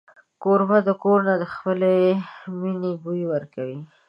کوربه د کور نه د خپلې مینې بوی ورکوي.